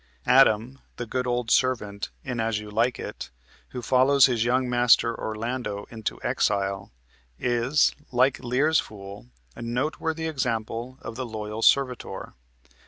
Adam, the good old servant in "As You Like It," who follows his young master Orlando into exile, is, like Lear's fool, a noteworthy example of the loyal servitor.